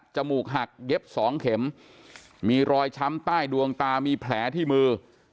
มูกหักเย็บสองเข็มมีรอยช้ำใต้ดวงตามีแผลที่มือ